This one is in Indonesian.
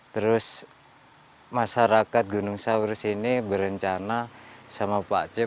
terus masyarakat gunung sawur sini berencana sama pak cip